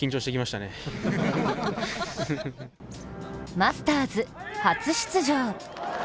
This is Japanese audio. マスターズ、初出場。